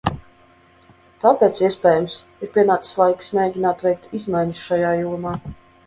Tāpēc, iespējams, ir pienācis laiks mēģināt veikt izmaiņas šajā jomā.